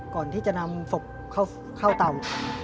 ก่อนที่จะนำศพเข้าต่ำ